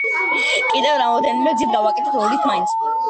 კიდევ რამოდენიმე გზით გავაკეთოთ, ორით მაინც.